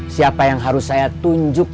siapa yang harus saya tunjuk